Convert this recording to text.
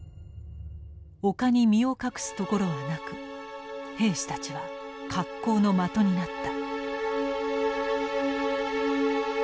丘に身を隠す所はなく兵士たちは格好の的になった。